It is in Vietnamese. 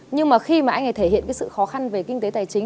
nhưng mà khi mà anh ấy thể hiện cái sự khó khăn về kinh tế tài chính